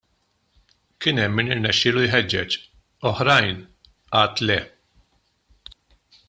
Kien hemm min irnexxielu jħeġġeġ, oħrajn għad le.